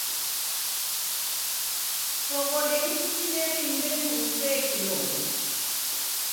Soghodenyi kutineri mbenyu usee kidombo.